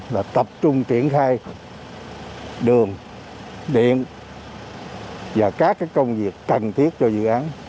là tập trung triển khai đường điện và các công việc cần thiết cho dự án